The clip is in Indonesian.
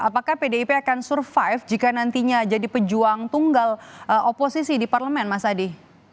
apakah pdip akan survive jika nantinya jadi pejuang tunggal oposisi di parlemen mas adi